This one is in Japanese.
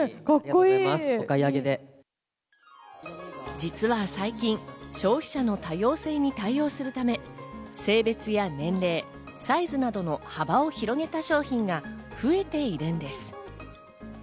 実は最近、消費者の多様性に対応するため、性別や年齢、サイズなどの幅を広げた商品が増えているんです。